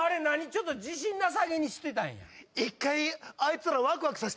ちょっと自信なさげにしてたんやくそっ！